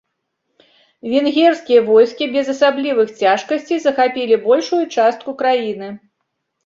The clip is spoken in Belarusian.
Венгерскія войскі без асаблівых цяжкасцей захапілі большую частку краіны.